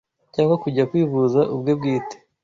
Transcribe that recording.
cyangwa kujya kwivuza ubwe bwite